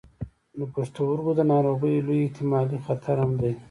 د پښتورګو د ناروغیو لوی احتمالي خطر هم دی.